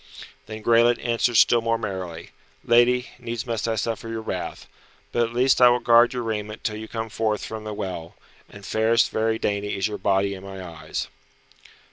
Then Graelent answered still more merrily, "Lady, needs must I suffer your wrath. But at least I will guard your raiment till you come forth from the well and, fairest, very dainty is your body in my eyes."